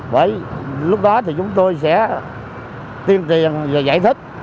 bởi lúc đó thì chúng tôi sẽ tiên triền và giải thích